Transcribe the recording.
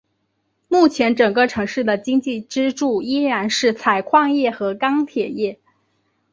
目前整个城市的经济支柱依然是采矿业和钢铁业。